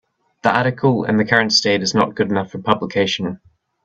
The article in the current state is not good enough for publication.